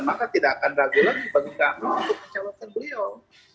maka tidak akan ragu lagi bagi kami untuk mencalonkan beliau